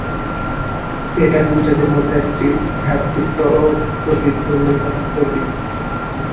এটা দুই জাতির মধ্যে একটি ভ্রাতৃত্ব এবং প্রতিদ্বন্দ্বিতার প্রতীক।